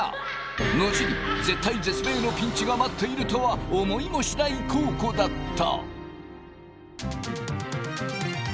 後に絶体絶命のピンチが待っているとは思いもしないコウコだった。